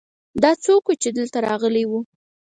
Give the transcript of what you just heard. دا څوک ؤ چې دلته راغلی ؤ